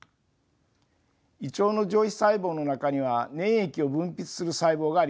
胃腸の上皮細胞の中には粘液を分泌する細胞があります。